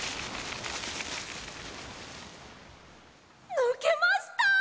「ぬけました！」